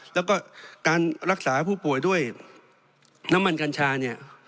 แล้วก็การรักษาผู้ป่วยด้วยน้ำมันกัญชาเนี่ย